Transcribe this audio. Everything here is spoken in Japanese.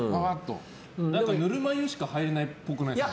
ぬるま湯しか入らないっぽくないですか？